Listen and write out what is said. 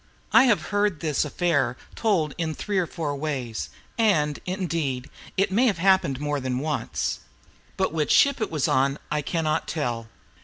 I have heard this affair told in three or four ways, and, indeed, it may have happened more than once. But which ship it was on I cannot tell.